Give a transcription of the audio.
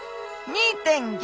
２．５。